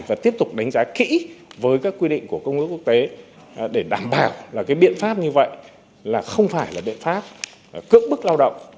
và tiếp tục đánh giá kỹ với các quy định của công ước quốc tế để đảm bảo là cái biện pháp như vậy là không phải là biện pháp cưỡng bức lao động